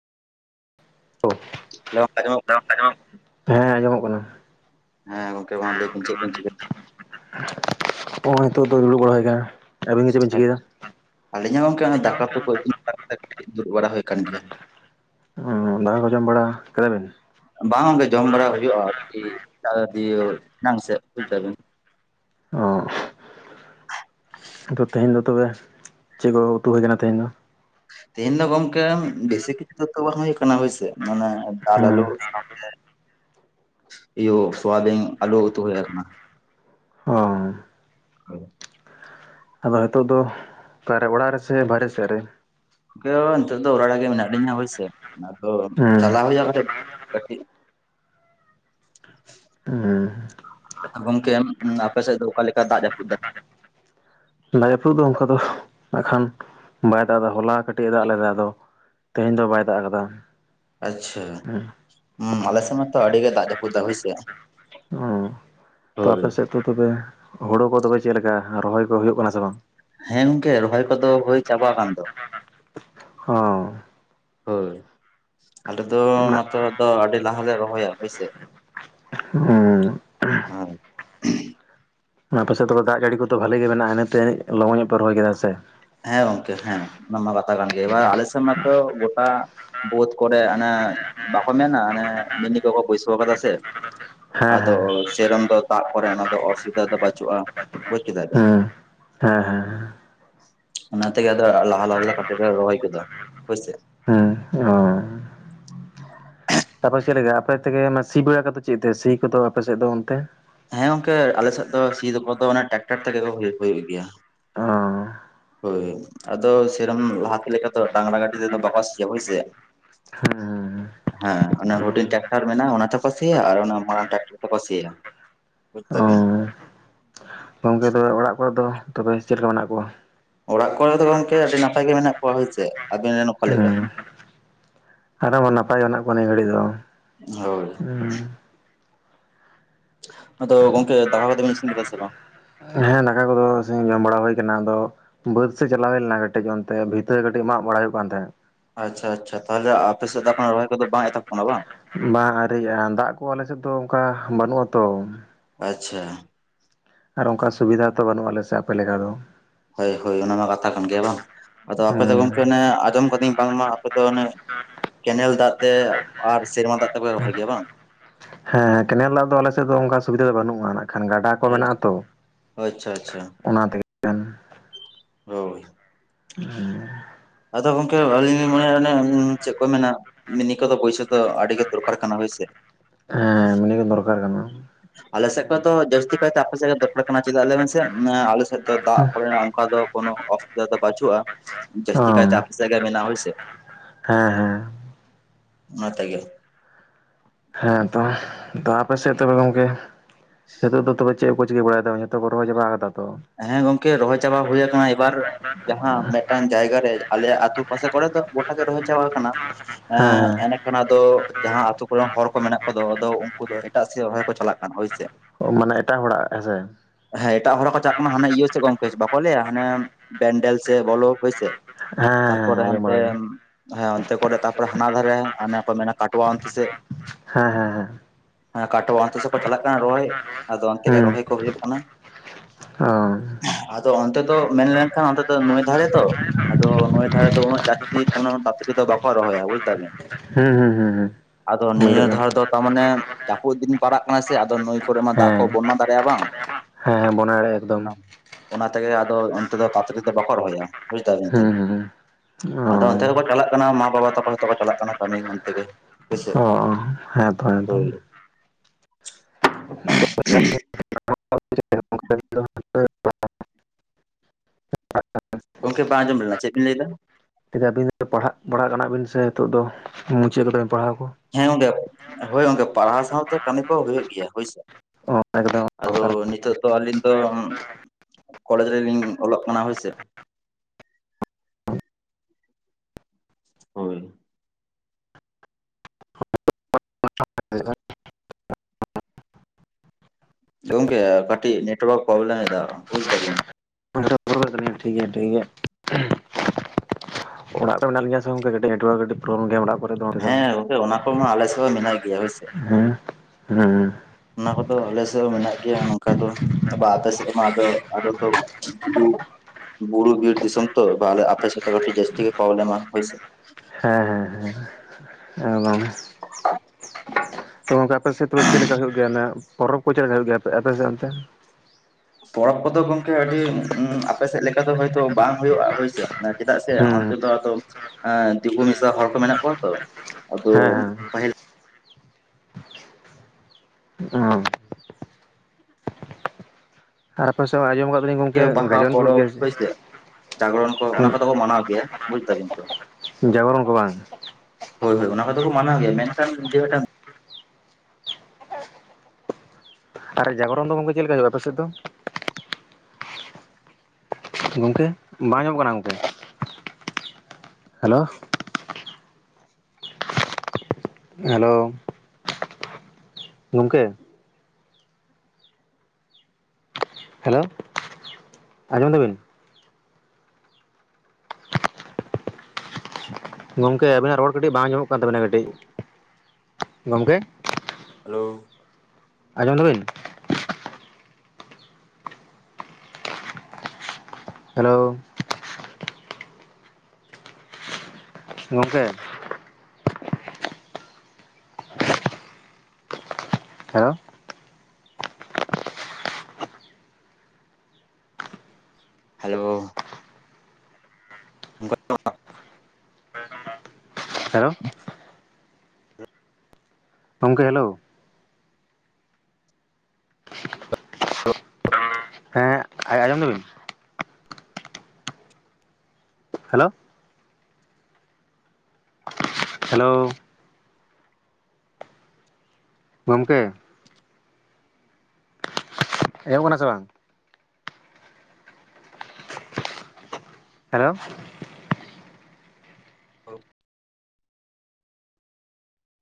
Hello ᱟᱸᱡᱚᱢᱚᱜ [unintelligible] ᱦᱮᱸ ᱟᱸᱡᱚᱢᱚᱜ ᱠᱟᱱᱟ ᱦᱮᱸ ᱜᱚᱝᱠᱮ ᱢᱟ ᱞᱟᱹᱭ ᱵᱤᱱ ᱪᱮᱫ ᱵᱤᱱ ᱪᱤᱠᱟᱹ ᱠᱟᱱ ᱱᱚᱜᱼᱚᱭ ᱱᱤᱛᱳᱜ ᱫᱚ ᱫᱩᱲᱩᱵ ᱵᱟᱲᱟ ᱦᱳᱭ ᱠᱟᱱᱟ ᱟᱪᱪᱷᱟ ᱟᱞᱤᱧ ᱦᱚᱸ ᱜᱚᱝᱠᱮ ᱚᱱᱟ ᱫᱟᱠᱟ ᱩᱛᱩᱠᱚ [unintelligible] ᱠᱟᱹᱴ [unintelligible] ᱫᱩᱲᱩᱵ ᱵᱟᱲᱟ ᱦᱳᱭ ᱠᱟᱱ ᱜᱮᱭᱟ ᱦᱚ ᱫᱟᱠᱟ ᱠᱚ ᱡᱚᱢ ᱵᱟᱲᱟ ᱠᱟᱫᱟ ᱵᱮᱱ? ᱵᱟᱝ ᱜᱚᱝᱠᱮ ᱡᱚᱢ ᱵᱟᱲᱟ ᱦᱩᱭᱩᱜᱼᱟ ᱟᱨᱠᱤ ᱫᱤᱭᱟ ᱮᱱᱟᱝ ᱥᱮᱫ ᱵᱩᱡ ᱫᱟᱵᱮᱱ ᱚ ᱟᱫᱚ ᱛᱮᱦᱮᱧ ᱫᱚ ᱛᱚᱵᱮ ᱪᱮᱫ ᱠᱚ ᱩᱛᱩ ᱦᱳᱭ ᱠᱟᱱᱟ ᱛᱮᱦᱮᱧ ᱫᱚ ᱛᱮᱦᱮᱧ ᱫᱚ ᱜᱚᱢᱠᱮ ᱵᱮᱥᱤ ᱠᱤᱪᱷᱩ ᱫᱚ ᱵᱟᱝ ᱦᱳᱭ ᱠᱟᱱᱟ ᱦᱭᱥᱮ ᱢᱟᱱᱮ ᱫᱟᱞ ᱟᱞᱩ ᱦᱮᱸ ᱥᱟᱣᱼᱼ ᱛᱮ ᱤᱭᱟᱹ ᱥᱳᱭᱟᱵᱤᱱ ᱟᱞᱩ ᱩᱛᱩ ᱦᱳᱭ ᱟᱠᱟᱱᱟ। ᱚ ᱟ ᱟᱫᱚ ᱱᱤᱛᱚᱜ ᱫᱚ ᱚᱠᱟᱨᱮ ᱚᱲᱟᱜ ᱨᱮᱥᱮ ᱵᱟᱭᱨᱮ ᱥᱮᱫ ᱨᱮ ᱠᱮ ᱱᱤᱛᱚᱜ ᱫᱚ ᱚᱲᱟᱜ ᱨᱮᱜᱮ ᱢᱮᱱᱟᱜ ᱞᱤᱧᱟᱹ ᱦᱳᱭᱥᱮ ᱟᱫᱚ ᱦᱮᱸ ᱪᱟᱞᱟᱣ ᱦᱳᱭᱳᱜᱼᱟ ᱠᱟᱹᱴᱤᱡ ᱠᱟᱹᱴᱤᱡ ᱦᱩᱸ ᱟᱫᱚ ᱜᱚᱝᱠᱮ ᱟᱯᱮᱥᱮᱫ ᱫᱚ ᱚᱠᱟᱞᱮᱠᱟ ᱫᱟᱜ ᱡᱟᱯᱩᱫ ᱫᱟᱭ ᱫᱟᱜ ᱡᱟᱹᱯᱩᱫ ᱫᱚ ᱚᱱᱠᱟ ᱫᱚ ᱦᱟᱸᱜ ᱠᱷᱟᱱ ᱵᱟᱭ ᱫᱟᱜ ᱫᱟ ᱦᱚᱞᱟ ᱠᱟᱹᱴᱤᱡ ᱮ ᱫᱟᱜ ᱞᱮᱫᱟ ᱟᱫᱚ ᱛᱮᱦᱮᱧ ᱫᱚ ᱵᱟᱭ ᱫᱟᱜ ᱠᱟᱫᱟ ᱟᱪᱪᱷᱟ ᱦᱩᱸ ᱟᱞᱮ ᱥᱮ ᱢᱟᱛᱚ ᱟᱹᱰᱤᱜᱮ ᱫᱟᱜ ᱡᱟᱹᱯᱩᱫᱟ ᱦᱳᱭᱥᱮ, ᱚ ᱛᱚ ᱦᱳᱭ᱾ ᱟᱯᱮ ᱥᱮᱫ ᱛᱚ ᱛᱚᱵᱮ ᱦᱳᱲᱳ ᱠᱚ ᱛᱚᱵᱮ ᱪᱮᱫ ᱞᱮᱠᱟ ᱨᱚᱦᱚᱭ ᱠᱚ ᱦᱩᱭᱩᱜ ᱠᱟᱱᱟ ᱥᱮ ᱵᱟᱝ? ᱦᱮᱸ ᱜᱚᱝᱠᱮ ᱨᱚᱦᱚᱭ ᱠᱚᱫᱚ ᱦᱳᱭ ᱪᱟᱵᱟ ᱠᱟᱱ ᱫᱚ, [inaudible] ᱦᱳᱭ ᱟᱞᱮ ᱫᱚ ᱢᱟᱱᱮ ᱱᱚᱛᱮ ᱫᱚ ᱟᱹᱰᱤ ᱞᱟᱦᱟᱞᱮ ᱨᱚᱦᱚᱭᱟ ᱦᱳᱭᱥᱮ᱾ [inaudible] [unintelligible] ᱟᱯᱮ ᱥᱮᱫ ᱛᱚ ᱫᱟᱜ ᱡᱟᱹᱲᱤ ᱠᱚᱫᱚ ᱵᱷᱟᱜᱮ ᱜᱮ ᱢᱮᱱᱟᱜ-ᱟ ᱤᱱᱟᱹᱛᱮ ᱞᱚᱜᱚᱱ ᱧᱚᱝᱚᱜ ᱯᱮ ᱨᱚᱦᱚᱭ ᱠᱮᱫᱟ ᱥᱮ? ᱦᱮ ᱜᱚᱢᱠᱮ ᱦᱮ ᱚᱱᱟᱢᱟ ᱠᱟᱛᱷᱟ ᱠᱟᱱ ᱜᱮᱭᱟ, ᱮ-ᱵᱟᱨ ᱟᱞᱮ ᱥᱮᱫ ᱢᱟᱛᱚ ᱜᱚᱴᱟ᱾ ᱵᱳᱫ ᱠᱚᱨᱮ ᱚᱱᱮ ᱵᱟᱝ ᱠᱚ ᱢᱮᱱᱟ ᱦᱟᱱᱮ ᱢᱤᱱᱤ ᱠᱚ ᱠᱚ ᱵᱟᱹᱥᱟ. ᱟᱠᱟᱫᱟ ᱥᱮ, ᱦᱮᱸ ᱟᱫᱚ ᱦᱮᱸ ᱥᱮᱨᱚᱠᱚᱢ ᱫᱚ ᱫᱟᱜ ᱠᱚᱨᱮᱱᱟ ᱫᱚ ᱚᱥᱩᱵᱤᱫᱟ ᱫᱚ ᱯᱟᱪᱩᱜ-ᱟ ᱵᱩᱡ ᱠᱮᱫᱟ ᱵᱤᱱ᱾ ᱦᱩᱸ ᱦᱮᱸ ᱦᱮᱸ ᱚᱱᱟ ᱛᱮᱜᱮ ᱟᱫᱚ ᱞᱟᱦᱟ ᱞᱟᱦᱟ ᱠᱟᱴᱤᱪ ᱞᱮ ᱨᱚᱦᱚᱭ ᱜᱚᱫᱟ ᱦᱳᱭ ᱥᱮ᱾ ᱦᱮᱸ ᱚᱻ ᱛᱟᱨ ᱯᱚᱨᱮ ᱪᱮᱫ ᱞᱮᱠᱟ ᱟᱯᱮ ᱛᱮᱜᱮ ᱥᱤ ᱵᱟᱲᱟ ᱫᱚ ᱪᱮᱫ ᱛᱮ ᱥᱤ ᱠᱚᱫᱚ ᱟᱯᱮ ᱥᱮᱫ ᱫᱚ ᱚᱱᱛᱮ? ᱦᱮ ᱜᱚᱢᱠᱮ ᱟᱞᱮ ᱥᱮᱫ ᱫᱚ ᱥᱤ ᱠᱚᱫᱚ ᱦᱮ ᱴᱟᱠᱴᱟᱨ ᱛᱮᱜᱮ ᱦᱩᱭᱩᱜ ᱜᱮᱭᱟ᱾ ᱚᱻ ᱦᱳᱭ ᱟᱫᱚ ᱥᱮ ᱨᱚᱠᱚᱢ ᱞᱟᱦᱟᱛᱮ ᱞᱮᱠᱟ ᱰᱟᱝᱨᱟ ᱜᱟᱹᱰᱤ ᱛᱮᱫᱚ ᱵᱟᱠᱚ ᱥᱤ ᱭᱟ ᱦᱳᱭ ᱥᱮ᱾ ᱦᱩᱸ ᱦᱮ ᱚᱱᱟ ᱦᱩᱰᱤᱧ ᱴᱟᱠᱴᱟᱨ ᱢᱮᱱᱟᱜ-ᱟ ᱚᱱᱟ ᱛᱮᱠᱚ ᱥᱤ ᱭᱟ ᱟᱨ ᱚᱱᱟ ᱢᱟᱨᱟᱝ ᱴᱟᱠᱴᱟᱨ ᱛᱮᱠᱚ ᱥᱤ ᱭᱟ᱾ ᱵᱩᱡ ᱚ ᱫᱟᱵᱤᱱ, [unintelligible] ᱚᱲᱟᱜ ᱠᱚᱨᱮ ᱫᱚ ᱛᱚᱵᱮ ᱪᱮᱫ ᱞᱮᱠᱟ ᱢᱮᱱᱟᱜ ᱠᱚᱣᱟ? ᱚᱲᱟᱜ ᱠᱚᱨᱮ ᱫᱚ ᱜᱚᱢᱠᱮ ᱟᱹᱰᱤ ᱱᱟᱯᱟᱭ ᱜᱮ ᱢᱮᱱᱟᱜ ᱠᱚᱣᱟ ᱦᱳᱭ ᱪᱮ, ᱟᱵᱤᱱ ᱨᱮᱱ ᱚᱠᱟ ᱞᱮᱠᱟ ᱦᱩ ᱟᱨ ᱱᱟᱯᱟᱭ ᱜᱮ ᱢᱮᱱᱟᱜ ᱠᱚᱣᱟ ᱱᱤᱭᱟᱹ ᱜᱷᱟᱹᱲᱤᱡ ᱫᱚ᱾ ᱦᱳᱭ᱾ ᱦᱩ, ᱟᱫᱚ ᱜᱚᱢᱠᱮ ᱫᱟᱠᱟ ᱠᱚᱫᱚ ᱤᱥᱤᱱ ᱠᱮᱫᱟ ᱥᱮ ᱵᱟᱝ? ᱦᱮ ᱫᱟᱠᱟ ᱠᱚᱫᱚ ᱤᱥᱤᱱ ᱡᱚᱢ ᱵᱟᱲᱟ ᱦᱩᱭ ᱟᱠᱟᱱᱟ ᱟᱫᱚ ᱵᱟᱹᱫ ᱥᱮ ᱪᱟᱞᱟᱣ ᱦᱩᱭ ᱞᱮᱱᱟ ᱠᱟᱹᱴᱤᱡ ᱚᱱᱛᱮ ᱵᱷᱤᱛᱟᱹ ᱠᱟᱹᱴᱤᱡ ᱢᱟᱜ ᱵᱟᱲᱟ ᱦᱩᱭᱩᱜ ᱠᱟᱱ ᱛᱟᱦᱮᱸᱫ᱾ ᱟᱪᱪᱷᱟ ᱟᱪᱪᱷᱟ ᱛᱟᱦᱚᱞᱮ ᱟᱯᱮ ᱥᱮᱫ ᱫᱚ ᱨᱚᱦᱚᱭ ᱠᱚᱫᱚ ᱵᱟᱝ ᱮᱛᱚᱦᱚᱵ ᱟᱠᱟᱱᱟ ᱵᱟᱝ? ᱵᱟᱝ ᱟᱹᱭᱨᱤ ᱦᱩᱭᱟᱜᱼᱟ ᱫᱟᱜ ᱠᱚ ᱟᱞᱮ ᱥᱮᱫ ᱫᱚ ᱚᱱᱠᱟ ᱵᱟᱹᱱᱩᱜ ᱟᱛᱚ ᱾ ᱟᱪᱪᱷᱟ ᱾ ᱟᱨ ᱚᱱᱠᱟ ᱥᱩᱵᱤᱫᱷᱟ ᱛᱚ ᱵᱟᱹᱱᱩᱜ ᱟᱞᱮ ᱥᱮᱜ ᱟᱯᱮ ᱥᱮᱫ ᱞᱮᱠᱟ ᱫᱚ, ᱦᱳᱭ ᱦᱳᱭ ᱚᱱᱟ ᱢᱟ ᱠᱟᱛᱷᱟ ᱠᱟᱱ ᱜᱮᱭᱟ ᱵᱟᱝ ᱟᱫᱚ ᱟᱯᱮ ᱫᱚ ᱦᱮᱸ ᱜᱚᱢᱠᱮ ᱚᱱᱮ ᱟᱸᱡᱚᱢ ᱠᱟᱹᱫᱤᱧ ᱵᱟᱝ ᱢᱟ ᱚ ᱚᱱᱮ ᱠᱮᱱᱮᱞ ᱫᱟᱜ ᱛᱮ ᱟᱨ ᱥᱮᱨᱢᱟ ᱫᱟᱜ ᱛᱮᱯᱮ ᱨᱚᱦᱚᱭ ᱜᱮᱭᱟ ᱵᱟᱝ? ᱦᱮ ᱠᱮᱱᱮᱞ ᱫᱟᱜ ᱫᱚ ᱟᱞᱮ ᱥᱮᱫ ᱫᱚ ᱚᱱᱠᱟ ᱥᱩᱵᱤᱫᱷᱟ ᱫᱚ ᱵᱟᱹᱱᱩᱜ-ᱟ᱾ ᱠᱷᱟᱱ ᱜᱟᱰᱟ ᱠᱚ ᱢᱮᱱᱟᱜ-ᱟ ᱛᱚ, ᱟᱪᱪᱷᱟ ᱟᱪᱪᱷᱟ ᱚᱱᱟ ᱛᱮᱜᱮ ᱠᱷᱟᱱ ᱦᱳᱭ᱾ [unintelligible] ᱟᱫᱚ ᱜᱚᱢᱠᱮ ᱟᱹᱞᱤᱧ ᱞᱤᱧ ᱢᱚᱱᱮᱭᱟ ᱚᱱᱮ ᱪᱮᱫ ᱠᱚ ᱢᱮᱱ-ᱟ ᱱᱤᱛᱚᱜ ᱫᱚ ᱯᱩᱭᱥᱟ ᱫᱚ‌ ᱟᱹᱰᱤ ᱜᱮ ᱫᱚᱨᱠᱟᱨ ᱠᱟᱱᱟ ᱦᱳᱭ ᱥᱮ, ᱦᱮᱸ ᱮᱢᱱᱤ ᱜᱮ ᱫᱚᱨᱠᱟᱨ ᱠᱟᱱᱟ᱾ ᱟᱞᱮ ᱥᱮᱫ ᱠᱷᱚᱱ ᱫᱚ ᱡᱟᱹᱥᱛᱤ ᱠᱟᱭᱛᱮ ᱟᱯᱮ ᱥᱮᱫ ᱜᱮ ᱫᱚᱨᱠᱟᱨ ᱠᱟᱱᱟ ᱪᱮᱫᱟᱜ ᱞᱟᱹᱭ ᱢᱮᱥᱮ ᱟᱞᱮ ᱥᱮᱫ ᱫᱚ ᱫᱟᱜ ᱠᱚᱨᱮ ᱱᱟᱜ ᱚᱱᱠᱟ ᱫᱚ ᱠᱳᱚᱱᱳ ᱚᱥᱩᱵᱤᱫᱟ ᱫᱚ ᱯᱟᱪᱩᱜ-ᱟ ᱡᱟᱹᱥᱛᱤ ᱠᱟᱭᱛᱮ ᱦᱚᱸ ᱟᱯᱮ ᱜᱮ ᱢᱮᱱᱟᱜ-ᱟ ᱦᱳᱭ ᱥᱮ, ᱦᱮᱸ ᱦᱮᱸ ᱚᱱᱠᱟ ᱛᱮᱜᱮ᱾ ᱦᱮ ᱛᱚ᱾ ᱫᱚ ᱟᱯᱮ ᱥᱮᱫ ᱛᱚᱵᱮ ᱜᱚᱢᱠᱮ ᱦᱤᱛᱳᱜ ᱫᱚ ᱛᱚᱵᱮ ᱪᱮᱫ ᱠᱚ ᱪᱤᱠᱟᱹ ᱵᱟᱲᱟᱭᱫᱟ, ᱡᱷᱚᱛᱚ ᱠᱚ ᱨᱚᱦᱚᱭ ᱪᱟᱵᱟ ᱟᱠᱟᱫᱟ ᱛᱚ? ᱦᱮᱸ ᱜᱚᱝᱠᱮ ᱨᱚᱦᱚᱭ ᱪᱟᱵᱟ ᱦᱩᱭᱟ ᱟᱠᱟᱱᱟ ᱮᱵᱟᱨ ᱡᱟᱦᱟ ᱢᱤᱫᱴᱟᱝ ᱡᱟᱭᱜᱟ ᱨᱮ ᱟᱞᱮ ᱟᱛᱩ ᱯᱟᱥᱮ ᱠᱚᱨᱮ ᱫᱚ ᱜᱚᱴᱟᱜ ᱜᱮ ᱨᱚᱦᱚᱭ ᱪᱟᱵᱟ ᱟᱠᱟᱱᱟ ᱦᱮᱸ ᱮᱸᱜ ᱠᱟᱱᱟ ᱫᱚ ᱡᱟᱦᱟᱸ ᱟᱛᱩ ᱠᱚᱨᱮᱱ ᱦᱚᱲ ᱠᱚ ᱢᱮᱱᱟᱜ ᱠᱚᱫᱚ, ᱚᱫᱚ ᱩᱱᱠᱩ ᱫᱚ ᱮᱴᱟᱜ ᱥᱮᱜ ᱨᱚᱦᱚᱭ ᱠᱚ ᱪᱟᱞᱟᱜ ᱠᱟᱱᱟ ᱦᱳᱭ ᱥᱮ᱾ ᱚ ᱢᱟᱱᱮ ᱮᱴᱟᱜ ᱦᱚᱲᱟᱜ ᱦᱮ-ᱥᱮ᱾ ᱦᱮᱸ ᱮᱴᱟᱜ ᱦᱚᱲᱚ ᱠᱚ ᱪᱟᱜ ᱠᱟᱱᱟ ᱦᱟᱱᱮ ᱤᱭᱟᱹ ᱥᱮ ᱜᱚᱴᱠᱮ ᱵᱟᱠᱚ ᱞᱟᱹᱭᱟ ᱦᱟᱱᱮ ᱵᱮᱱᱰᱮᱸᱞ ᱥᱮ ᱵᱚᱞᱳ, ᱦᱳᱭ ᱥᱮ᱾ ᱦᱮᱸ ᱛᱟᱨ ᱦᱮᱸ ᱯᱚᱨᱮ ᱟᱸᱡᱚᱢ ᱵᱟᱲᱟ ᱦᱟᱱᱛᱮᱢ ᱦᱮᱸ ᱚᱱᱛᱮ ᱠᱚᱨᱮ ᱛᱟᱯᱚᱨᱮ ᱦᱟᱱᱟ ᱫᱷᱟᱨᱮ, ᱦᱟᱱᱮ ᱠᱚ ᱢᱮᱱᱟ ᱠᱟᱴᱳᱣᱟ ᱚᱱᱛᱮ ᱥᱮᱫ᱾ ᱦᱮᱸ ᱦᱮᱸ ᱦᱮᱸ᱾ ᱦᱮᱸ ᱠᱟᱴᱚᱭᱥ ᱚᱱᱛᱮ ᱥᱮᱫ ᱠᱚ ᱪᱟᱞᱟᱜ ᱠᱟᱱᱟ ᱨᱚᱦᱚᱭ, ᱟᱫᱚ ᱚᱱᱛᱮ ᱜᱮ ᱨᱚᱦᱚᱭ ᱠᱚ ᱦᱩᱭᱩᱜ ᱠᱟᱱᱟ᱾ ᱚᱸ᱾ ᱟᱫᱚ ᱚᱱᱛᱮ ᱫᱚ ᱢᱮᱱᱞᱮᱱᱠᱷᱟᱱ ᱚᱱᱛᱮ ᱫᱚ ᱱᱳᱭ ᱫᱷᱟᱨᱮ ᱛᱚ᱾ ᱟᱫᱚ ᱱᱳᱭ ᱫᱷᱟᱨᱮ ᱫᱚ ᱩᱱᱟᱹᱜ ᱡᱟᱥᱛᱤ ᱛᱚᱢᱟᱱᱮ ᱩᱱᱟᱹᱜ ᱢᱟᱛᱠᱤ ᱫᱚ ᱵᱟᱠᱚ ᱨᱚᱚᱦᱭᱟ ᱵᱩᱡᱫᱟᱵᱤᱱ? ᱦᱩᱸ ᱦᱩᱸ ᱦᱩᱸ ᱦᱩᱸ᱾ ᱟᱫᱚ ᱵᱩᱡ ᱱᱤᱭᱟᱹ ᱫᱟᱲᱮᱭᱟᱜ ᱫᱷᱟᱳ ᱫᱚ ᱛᱟᱨ ᱢᱟᱱᱮ ᱠᱟᱱᱟ ᱡᱟᱯᱩᱫ ᱫᱤᱱ ᱯᱟᱲᱟᱜ ᱠᱟᱱᱟ ᱥᱮ ᱟᱫᱚ ᱱᱟᱹᱭ ᱠᱚᱨᱮ ᱢᱟ ᱫᱟᱜ ᱠᱚ ᱦᱮᱸ ᱵᱚᱱᱱᱟ ᱫᱟᱲᱮᱭᱟᱜᱼᱟ ᱵᱟᱝ᱾ ᱦᱮᱸ ᱦᱮᱸ ᱵᱳᱱᱱᱟ ᱫᱟᱲᱮᱜ-ᱟ᱾ ᱚᱱᱟ ᱚᱱᱟ ᱛᱮᱜᱮ ᱟᱫᱚ ᱚᱱᱛᱮ ᱫᱚ ᱛᱟ ᱛᱟᱲᱤ ᱫᱚ ᱵᱟᱠᱚ ᱨᱚᱦᱚᱭᱟ᱾ ᱵᱩᱡ ᱫᱟᱵᱮᱱ ᱛᱚ? ᱦᱩᱸ ᱟᱫᱚ ᱚᱱᱛᱮ ᱦᱩᱸ ᱨᱮᱠᱚ ᱪᱟᱞᱟᱜ ᱠᱟᱱᱟ ᱢᱟ ᱵᱟᱵᱟ ᱛᱟᱠᱚᱚ ᱡᱦᱚᱛᱚ ᱪᱟᱞᱟᱜ ᱠᱟᱱᱟ ᱠᱟᱹᱢᱤ ᱚᱱᱛᱮ ᱜᱮ ᱠᱟᱹᱢᱤ ᱦᱳᱭᱥᱮ᱾ ᱦᱮᱸ ᱛᱚ ᱦᱮᱸ ᱛᱚ᱾ ᱦᱳᱭ ᱜᱚᱢᱠᱮ ᱵᱟᱝ ᱟᱡᱚᱢᱞᱮᱱᱟ᱾? ᱪᱮᱫ ᱵᱤᱱ ᱞᱟᱹᱭᱫᱟ ᱪᱤᱠᱟᱹ ᱟᱹᱵᱤᱱ ᱫᱚ ᱯᱟᱲᱦᱟᱜ ᱯᱟᱲᱦᱟᱜ ᱠᱟᱱᱟ ᱵᱤᱱ ᱥᱮ ᱦᱤᱛᱚᱜ ᱫᱚ ᱢᱩᱪᱟᱹᱫ ᱠᱚᱫᱟᱵᱤᱱ ᱯᱟᱲᱦᱟᱣ ᱠᱚ? ᱦᱮᱸ ᱜᱚᱢᱠᱮ, ᱦᱳᱭ ᱚᱱᱠᱮ ᱯᱟᱲᱦᱟᱣ ᱥᱟᱶᱛᱮ ᱠᱟᱹᱢᱤ ᱠᱚ ᱦᱩᱭᱩᱜ ᱜᱮᱭᱟ ᱦᱳᱭᱥᱮ᱾ ᱚ ᱮᱠᱫᱚᱢ ᱟᱫᱚ ᱱᱤᱛᱚᱜ ᱫᱚ ᱟᱹᱞᱤᱧ ᱫᱚ ᱠᱚᱞᱮᱡᱽ ᱨᱮᱞᱤᱧ ᱚᱞᱚᱜ ᱠᱟᱱᱟ ᱦᱳᱭᱥᱮ᱾ ᱦᱳᱭ᱾ ᱜᱚᱝᱠᱮ ᱠᱟᱹᱴᱤᱡ ᱱᱮᱴᱳᱣᱟᱨᱠ ᱯᱨᱚᱵᱮᱢ ᱮᱫᱟ ᱵᱩᱡ ᱫᱟᱵᱤᱱ᱾ ᱴᱷᱤᱠ ᱜᱮᱮᱭᱟ ᱴᱷᱤᱠ ᱜᱮᱮᱭᱟ ᱚᱲᱟᱜ ᱨᱮ ᱢᱮᱱᱟᱜ ᱞᱤᱧᱟᱹ ᱥᱮ ᱜᱚᱝᱠᱮ ᱠᱟᱹᱴᱤᱡ ᱱᱮᱴᱚᱣᱟᱨᱠ ᱦᱮᱸ ᱜᱚᱝᱠᱮ ᱚᱱᱟ ᱠᱚᱢᱟ ᱟᱞᱮ ᱥᱮᱫ ᱦᱚᱸ ᱢᱮᱱᱟᱜ ᱜᱮᱭᱟ ᱦᱳᱭᱥᱮ ᱠᱟᱹᱴᱤᱡ [unintelligible] ᱚᱱᱟ ᱠᱚᱫᱚ ᱟᱞᱮ ᱥᱮᱫ ᱦᱚᱸ ᱢᱮᱱᱟᱜ ᱜᱮᱭᱟ ᱱᱚᱝᱠᱟ ᱠᱚ᱾ ᱵᱟ ᱵᱟ ᱟᱯᱮ ᱥᱮᱫᱢᱟ ᱟᱫᱚ ᱟᱫᱚ ᱛᱚ ᱩᱱᱠᱩ ᱵᱩᱲᱩ ᱵᱤᱨᱲ ᱫᱤᱥᱚᱢ ᱛᱚ ᱵᱟ ᱟᱞᱮ ᱟᱯᱮ ᱥᱮ ᱫᱚ ᱡᱟᱥᱛᱤᱜᱮ ᱯᱳᱵᱞᱮᱢᱟ ᱦᱳᱭᱥᱮ᱾ ᱦᱮᱸ ᱦᱮᱸ ᱦᱮᱸ [unintelligible] [inaudible] ᱛᱚ ᱜᱚᱝᱠᱮ ᱟᱯᱮ ᱥᱮᱫ ᱛᱵᱮ ᱪᱮᱫ ᱞᱮᱠᱟ ᱦᱩᱭᱩᱜ ᱜᱮᱭᱟ ᱚᱱᱮ ᱯᱚᱨᱚᱵᱽ ᱠᱚ ᱪᱮᱫ ᱞᱮᱠᱟ ᱦᱩᱭᱩᱜ ᱜᱮᱭᱟ ᱟᱯᱮ-ᱟᱯᱮᱥᱮᱫ ᱚᱱᱛᱮ? ᱯᱚᱨᱚᱵᱽ ᱠᱚᱫᱚ ᱜᱚᱝᱠᱮ ᱟᱹᱰᱤ ᱩᱸ ᱩᱸ ᱟᱯᱮᱥᱮᱫ ᱞᱮᱠᱟ ᱫᱚ ᱦᱭᱛᱚ ᱵᱟᱝ ᱦᱩᱭᱩᱜᱼᱟ ᱦᱳᱭᱥᱮ᱾ ᱚᱱᱟ ᱪᱮᱫᱟᱜ ᱥᱮ ᱦᱩᱸ ᱚᱱᱛᱮ ᱫᱚ ᱟᱫᱚ ᱟᱸ ᱫᱤᱠᱩ ᱢᱤᱥᱟ ᱦᱚᱲ ᱠᱚ ᱢᱮᱱᱟᱜ ᱠᱚᱣᱟ ᱛᱚ᱾ ᱟᱫᱚ ᱦᱮᱸ ᱦᱮᱸ᱾ ᱯᱟᱹᱦᱤᱞ ᱚ᱾ ᱟᱨ ᱟᱯᱮ ᱥᱮᱫ ᱢᱟ ᱟᱸᱡᱚᱢ ᱟᱠᱟᱫᱩᱞᱟᱹᱧ ᱜᱚᱝᱠᱮ ᱵᱟᱦᱟ ᱜᱟᱡᱚᱱ ᱠᱚ ᱦᱩᱭᱩᱜ ᱯᱚᱨᱚᱵᱽ ᱜᱮᱭᱟ ᱥᱮ ᱪᱮᱫ? ᱦᱳᱭᱥᱮ ᱡᱟᱜᱽᱨᱚᱱ ᱠᱚ ᱚᱱᱟ ᱠᱚᱫᱚ ᱠᱚ ᱢᱟᱱᱟᱣ ᱜᱮᱭᱟ᱾ ᱵᱩᱡ ᱫᱟᱠᱤᱱᱛᱚ᱾ ᱡᱟᱜᱚᱨᱚᱱ ᱠᱚ ᱵᱟᱝ? ᱦᱳᱭ ᱦᱳᱭ ᱚᱱᱟ ᱠᱚᱫᱚ ᱠᱚ ᱢᱟᱱᱟᱣ ᱜᱮᱭᱟ, ᱢᱮᱱᱠᱷᱟᱱ ᱱᱤᱡᱮ ᱦᱚ ᱢᱤᱫᱴᱟᱝ ᱟᱨ ᱡᱟᱜᱨᱚᱱ ᱫᱚ ᱜᱚᱝᱠᱮ ᱪᱮᱫ ᱞᱮᱠᱟ ᱦᱩᱭᱩᱜᱼᱟ ᱟᱯᱮ ᱥᱮᱫ ᱫᱚ? ᱜᱚᱝᱠᱮ ᱵᱟᱝ ᱟᱡᱢᱚᱜ ᱠᱟᱱᱟ ᱜᱚᱝᱠᱮ ᱦᱮᱞᱳ ᱦᱮᱞᱳ ᱜᱚᱢᱠᱮ ᱦᱮᱞᱳ ᱟᱸᱡᱚᱢ ᱫᱟᱹᱵᱤᱱ? ᱜᱚᱢᱠᱮ ᱟᱹᱵᱤᱱᱟᱜ ᱨᱚᱲ ᱠᱟᱹᱴᱤᱡ ᱵᱟᱝ ᱟᱡᱢᱚᱜ ᱠᱟᱱ ᱛᱟᱵᱤᱱᱟ ᱠᱟᱹᱴᱤᱡ ᱜᱚᱢᱠᱮ ᱦᱮᱞᱳ ᱟᱸᱡᱚᱢ ᱫᱟᱹᱵᱤᱱ? ᱦᱮᱞᱳ ᱜᱚᱝᱠᱮ ᱦᱮᱞᱳ ᱦᱮᱞᱳ [inaudible] ᱦᱮᱞᱳ [unintelligible] ᱜᱚᱢᱠᱮ ᱦᱮᱞᱳ ᱦᱮᱸ ᱟ ᱟᱡᱚᱢ ᱫᱟᱹᱵᱤᱱ? ᱦᱮᱞᱳ ᱦᱮᱞᱳ ᱜᱚᱢᱠᱮ ᱟᱸᱡᱚᱢᱚᱜ ᱠᱟᱱᱟ ᱥᱮ ᱵᱟᱝ? ᱦᱮᱞᱳ